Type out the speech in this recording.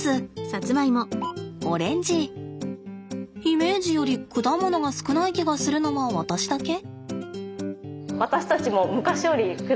イメージより果物が少ない気がするのは私だけ？